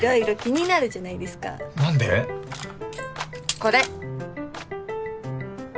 これ。